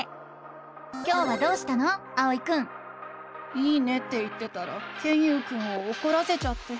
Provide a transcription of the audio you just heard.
「いいね」って言ってたらケンユウくんをおこらせちゃって。